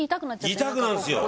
痛くなるんですよ。